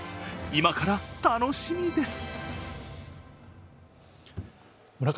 今から楽しみです。